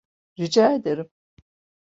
Rica ederim.